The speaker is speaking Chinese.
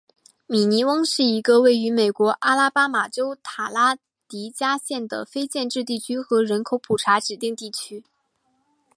米尼翁是一个位于美国阿拉巴马州塔拉迪加县的非建制地区和人口普查指定地区。